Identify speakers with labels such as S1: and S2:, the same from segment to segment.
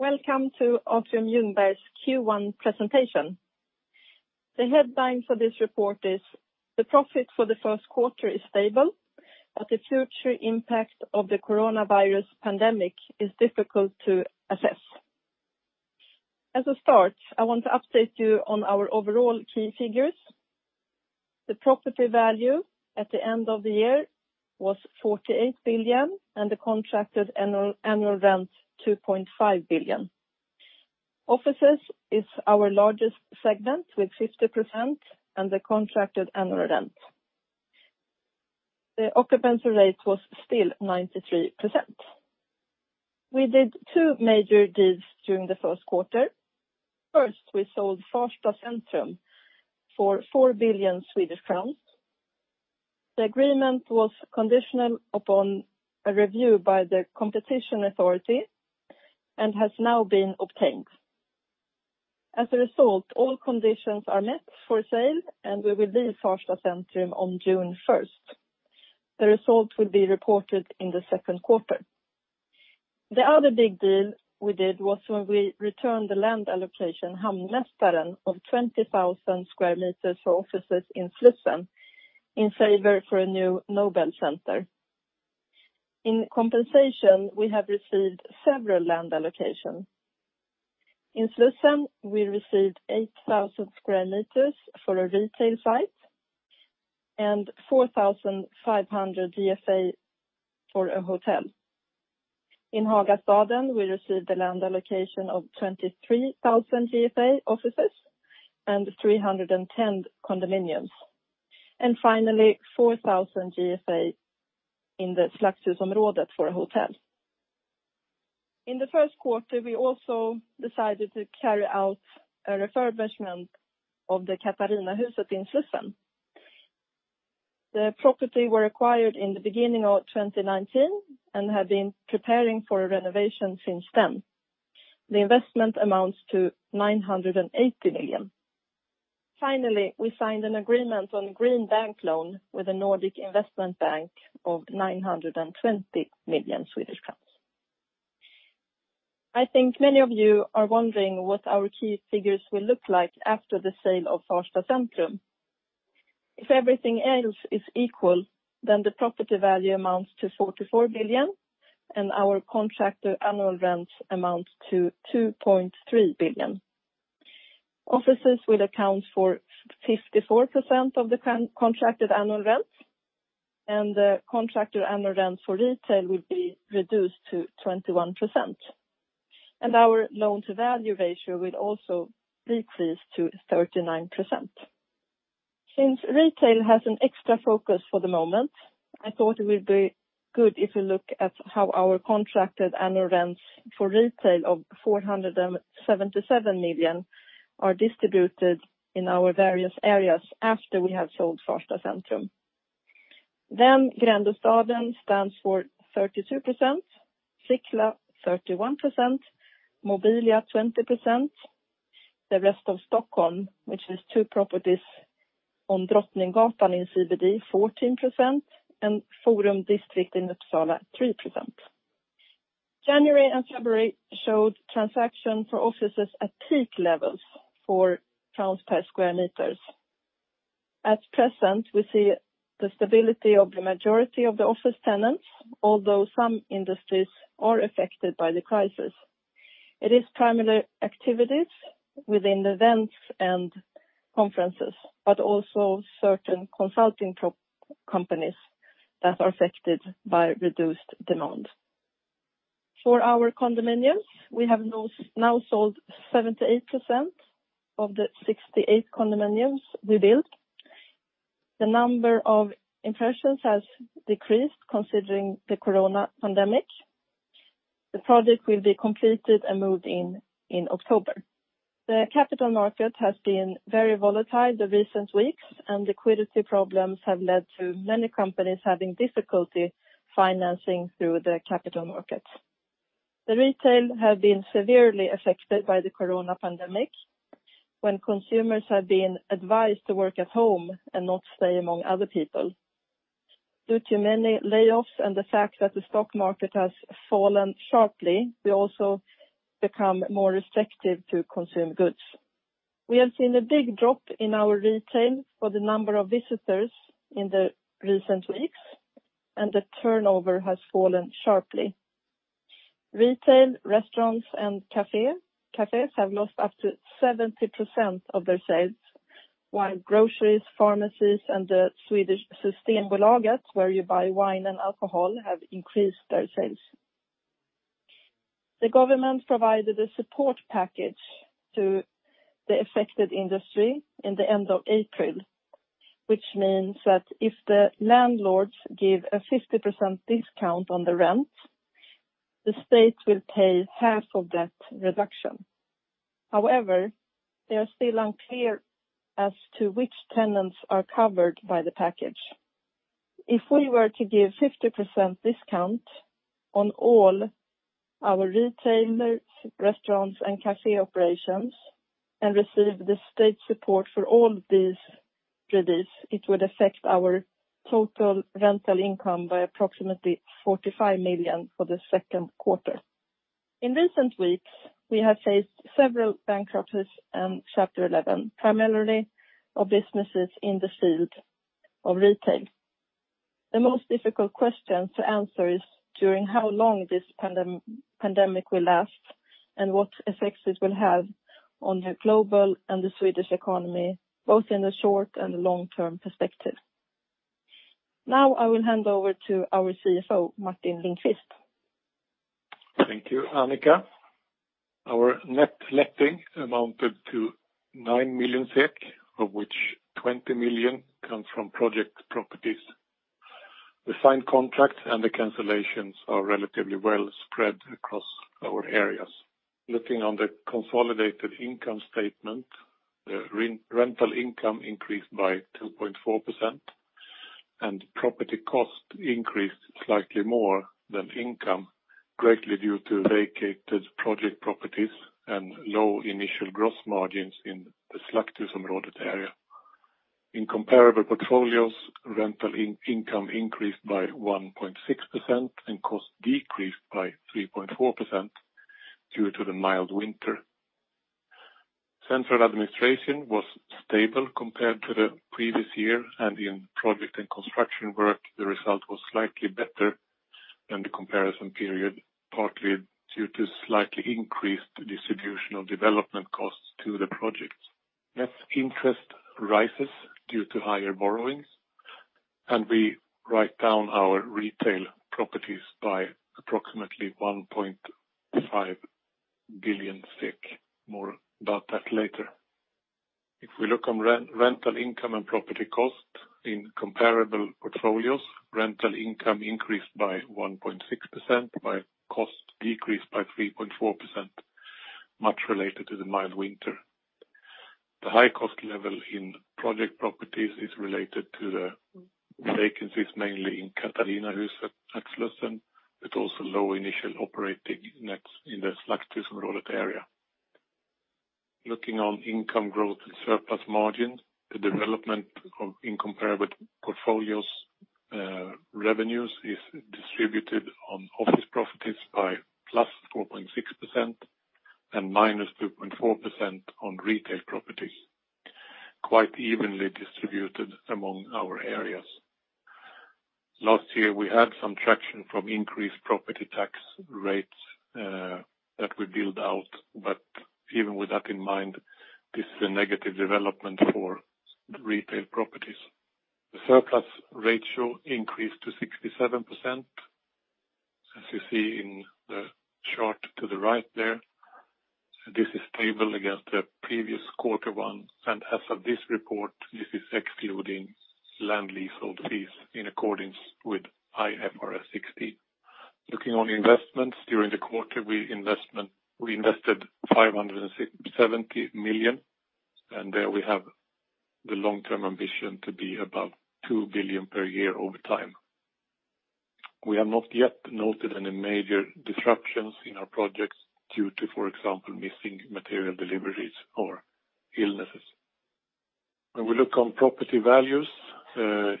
S1: Welcome to Atrium Ljungberg's Q1 presentation. The headline for this report is, "The profit for the first quarter is stable, but the future impact of the coronavirus pandemic is difficult to assess." To start, I want to update you on our overall key figures. The property value at the end of the year was 48 billion and the contracted annual rent 2.5 billion. Offices is our largest segment with 50% and the contracted annual rent. The occupancy rate was still 93%. We did two major deals during the first quarter. First, we sold Farsta Centrum for 4 billion Swedish crowns. The agreement was conditional upon a review by the competition authority and has now been obtained. All conditions are met for sale, and we will leave Farsta Centrum on June 1st. The results will be reported in the second quarter. The other big deal we did was when we returned the land allocation Hamnmästaren of 20,000 sq m for offices in Slussen in favor for a new Nobel Center. In compensation, we have received several land allocation. In Slussen, we received 8,000 sq m for a retail site and 4,500 GFA for a hotel. In Hagastaden, we received a land allocation of 23,000 GFA offices and 310 condominiums. Finally, 4,000 GFA in the Slakthusområdet for a hotel. In the first quarter, we also decided to carry out a refurbishment of the Katarinahuset in Slussen. The property were acquired in the beginning of 2019 and have been preparing for a renovation since then. The investment amounts to 980 million. Finally, we signed an agreement on green bank loan with a Nordic Investment Bank of SEK 920 million. I think many of you are wondering what our key figures will look like after the sale of Farsta Centrum. If everything else is equal, then the property value amounts to 44 billion and our contracted annual rents amounts to 2.3 billion. Offices will account for 54% of the contracted annual rents, and the contracted annual rents for retail will be reduced to 21%. Our loan-to-value ratio will also decrease to 39%. Since retail has an extra focus for the moment, I thought it would be good if we look at how our contracted annual rents for retail of 477 million are distributed in our various areas after we have sold Farsta Centrum. Gränbystaden stands for 32%, Sickla 31%, Mobilia 20%, the rest of Stockholm, which is two properties on Drottninggatan in CBD 14%, and Forumkvarteret in Uppsala 3%. January and February showed transaction for offices at peak levels for SEK per square meters. At present, we see the stability of the majority of the office tenants, although some industries are affected by the crisis. It is primarily activities within events and conferences, but also certain consulting companies that are affected by reduced demand. For our condominiums, we have now sold 78% of the 68 condominiums we built. The number of impressions has decreased considering the corona pandemic. The project will be completed and moved in in October. The capital market has been very volatile the recent weeks, and liquidity problems have led to many companies having difficulty financing through the capital markets. The retail has been severely affected by the corona pandemic, when consumers have been advised to work at home and not stay among other people. Due to many layoffs and the fact that the stock market has fallen sharply, we also become more restrictive to consume goods. We have seen a big drop in our retail for the number of visitors in the recent weeks, and the turnover has fallen sharply. Retail, restaurants, and cafes have lost up to 70% of their sales, while groceries, pharmacies, and the Swedish Systembolaget, where you buy wine and alcohol, have increased their sales. The government provided a support package to the affected industry in the end of April, which means that if the landlords give a 50% discount on the rent, the state will pay half of that reduction. However, they are still unclear as to which tenants are covered by the package. If we were to give 50% discount on all our retailers, restaurants, and cafe operations and receive the state support for all these. It would affect our total rental income by approximately 45 million for the second quarter. In recent weeks, we have faced several bankruptcies and Chapter 11, primarily of businesses in the field of retail. The most difficult question to answer is how long this pandemic will last and what effects it will have on the global and the Swedish economy, both in the short and long-term perspective. I will hand over to our CFO, Martin Lindqvist.
S2: Thank you, Annica. Our net letting amounted to 9 million SEK, of which 20 million comes from project properties. The signed contracts and the cancellations are relatively well spread across our areas. Looking on the consolidated income statement, the rental income increased by 2.4% and property cost increased slightly more than income, greatly due to vacated project properties and low initial gross margins in the Slakthusområdet area. In comparable portfolios, rental income increased by 1.6% and cost decreased by 3.4% due to the mild winter. Central administration was stable compared to the previous year and in project and construction work, the result was slightly better than the comparison period, partly due to slightly increased distribution of development costs to the projects. Net interest rises due to higher borrowings, and we write down our retail properties by approximately 1.5 billion. More about that later. If we look on rental income and property cost in comparable portfolios, rental income increased by 1.6% while cost decreased by 3.4%, much related to the mild winter. The high cost level in project properties is related to the vacancies mainly in Katarinahuset at Slussen, but also low initial operating nets in the Slakthusområdet area. Looking on income growth and surplus margins, the development in comparable portfolios revenues is distributed on office properties by plus 4.6% and minus 2.4% on retail properties, quite evenly distributed among our areas. Last year, we had some traction from increased property tax rates that we billed out. Even with that in mind, this is a negative development for retail properties. The surplus ratio increased to 67%, as you see in the chart to the right there. This is stable against the previous quarter one. As of this report, this is excluding land leasehold fees in accordance with IFRS 16. Looking on investments, during the quarter we invested 570 million. There we have the long-term ambition to be above 2 billion per year over time. We have not yet noted any major disruptions in our projects due to, for example, missing material deliveries or illnesses. When we look on property values,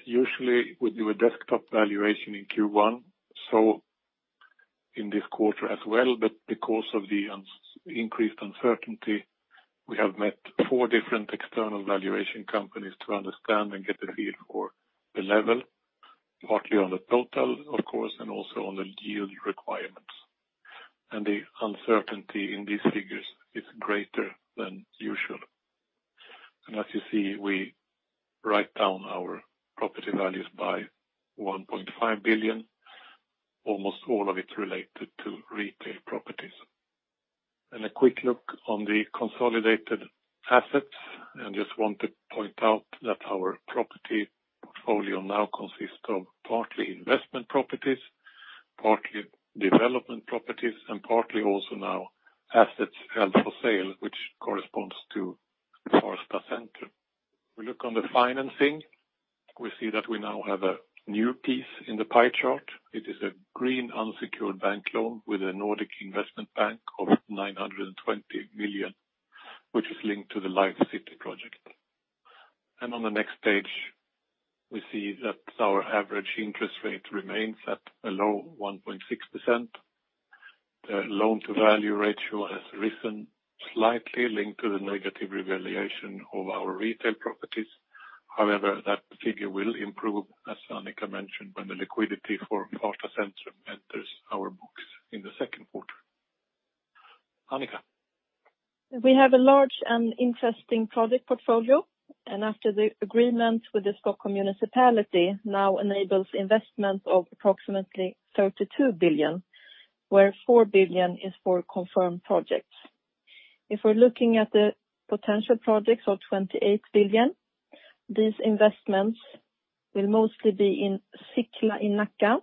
S2: usually we do a desktop valuation in Q1. In this quarter as well. Because of the increased uncertainty, we have met four different external valuation companies to understand and get a feel for the level, partly on the total, of course, and also on the yield requirements. The uncertainty in these figures is greater than usual. As you see, we write down our property values by 1.5 billion. A quick look on the consolidated assets. Just want to point out that our property portfolio now consists of partly investment properties, partly development properties, and partly also now assets held for sale, which corresponds to Farsta Centrum. We look on the financing. We see that we now have a new piece in the pie chart. It is a green unsecured bank loan with a Nordic Investment Bank of 920 million, which is linked to the Life City project. On the next page, we see that our average interest rate remains at a low 1.6%. The loan-to-value ratio has risen slightly linked to the negative revaluation of our retail properties. However, that figure will improve, as Annica mentioned, when the liquidity for Farsta Centrum enters our books in the second quarter. Annica.
S1: We have a large and interesting project portfolio, after the agreement with the Stockholm Municipality now enables investment of approximately 32 billion, where 4 billion is for confirmed projects. If we're looking at the potential projects of 28 billion, these investments will mostly be in Sickla in Nacka,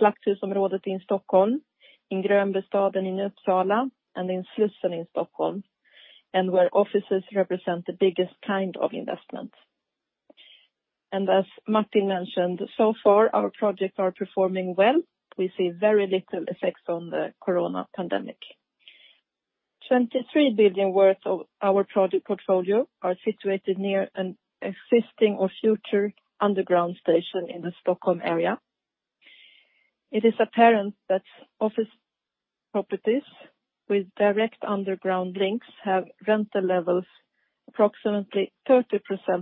S1: Slakthusområdet in Stockholm, in Gränbystaden in Uppsala, and in Slussen in Stockholm, and where offices represent the biggest kind of investment. As Martin mentioned, so far our projects are performing well. We see very little effects on the corona pandemic. 23 billion worth of our project portfolio are situated near an existing or future underground station in the Stockholm area. It is apparent that office properties with direct underground links have rental levels approximately 30%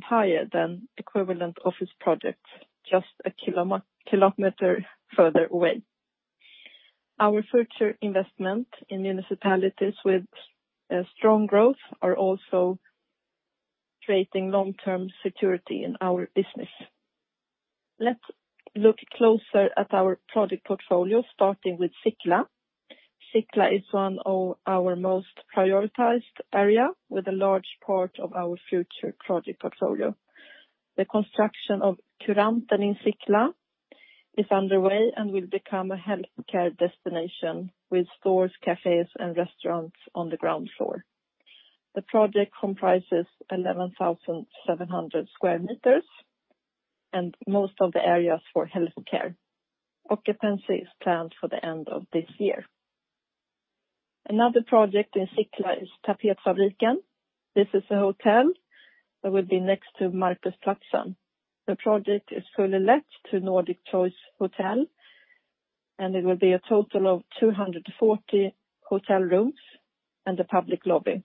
S1: higher than equivalent office projects just a kilometer further away. Our future investment in municipalities with strong growth are also creating long-term security in our business. Let's look closer at our project portfolio, starting with Sickla. Sickla is one of our most prioritized area with a large part of our future project portfolio. The construction of Curanten in Sickla is underway and will become a healthcare destination with stores, cafes, and restaurants on the ground floor. The project comprises 11,700 sq m and most of the areas for healthcare. Occupancy is planned for the end of this year. Another project in Sickla is Tapetfabriken. This is a hotel that will be next to Marcusplatsen. The project is fully let to Nordic Choice Hotels. It will be a total of 240 hotel rooms and a public lobby.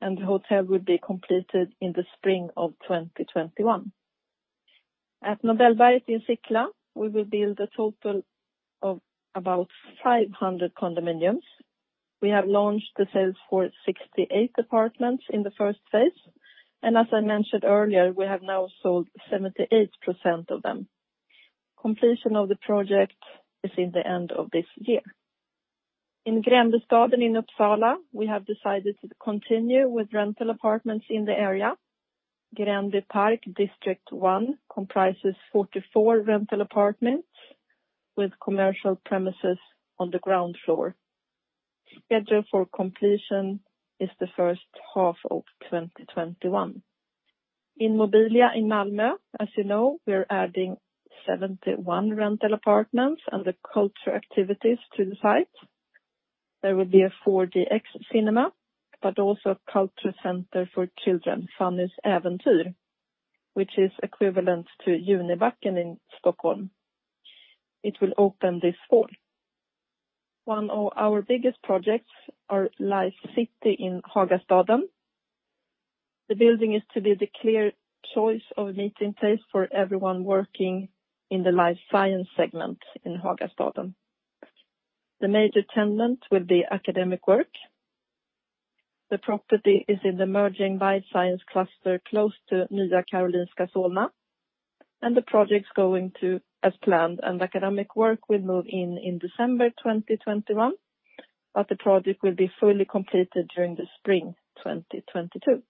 S1: The hotel will be completed in the spring of 2021. At Nobelberget in Sickla, we will build a total of about 500 condominiums. We have launched the sales for 68 apartments in the phase I, and as I mentioned earlier, we have now sold 78% of them. Completion of the project is in the end of this year. In Gränbystaden in Uppsala, we have decided to continue with rental apartments in the area. Gränby Park kvarter one comprises 44 rental apartments with commercial premises on the ground floor. Schedule for completion is the first half of 2021. In Mobilia in Malmö, as you know, we are adding 71 rental apartments and the cultural activities to the site. There will be a 4DX cinema, but also a cultural center for children. One of our biggest projects are Life City in Hagastaden. The building is to be the clear choice of meeting place for everyone working in the life science segment in Hagastaden. The major tenant will be Academic Work. The property is in the emerging life science cluster close to Nya Karolinska Solna, and the project's going to as planned, and Academic Work will move in in December 2021. The project will be fully completed during the spring 2022.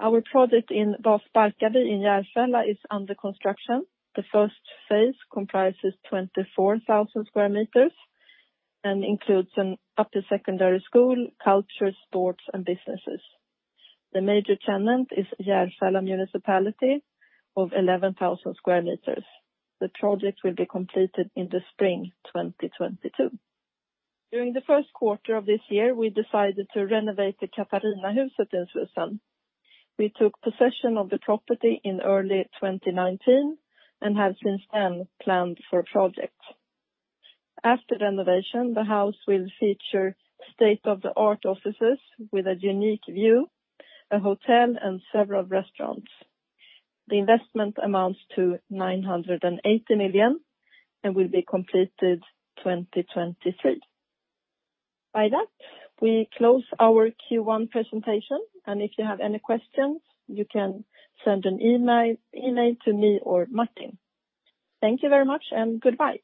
S1: Our project in Veddesta in Järfälla is under construction. The phase I comprises 24,000 sq m and includes an upper secondary school, culture, sports, and businesses. The major tenant is Järfälla Municipality of 11,000 sq m. The project will be completed in the spring 2022. During the first quarter of this year, we decided to renovate the Katarinahuset in Slussen. We took possession of the property in early 2019 and have since then planned for projects. After renovation, the house will feature state-of-the-art offices with a unique view, a hotel, and several restaurants. The investment amounts to 980 million and will be completed 2023. By that, we close our Q1 presentation, and if you have any questions, you can send an email to me or Martin. Thank you very much, and goodbye.